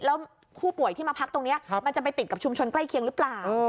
แล้วผู้ป่วยที่มาพักตรงนี้มันจะไปติดกับชุมชนใกล้เคียงหรือเปล่า